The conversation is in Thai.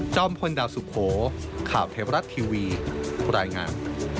จ้อมพลดาวสุโขข่าวเทพลัดทีวีบรรยายงาน